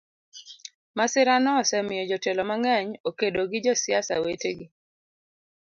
Masirano osemiyo jotelo mang'eny okedo gi josiasa wetegi.